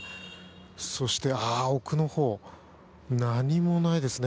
そして、奥のほう何もないですね。